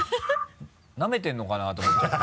なめてるのかな？と思っちゃった。